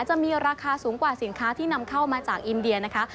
จะมีราคาสูงกว่าสินค้าที่นำเข้ามาจากอินเดียนะคะ